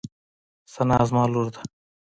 ثنا زما لور ده.